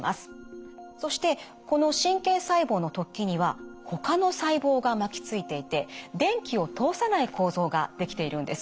そしてこの神経細胞の突起にはほかの細胞が巻きついていて電気を通さない構造ができているんです。